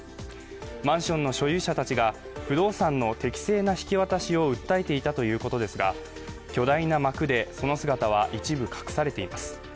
マンションの所有者たちが不動産の適正な引き渡しを訴えていたということですが、巨大な幕でその姿は一部隠されています。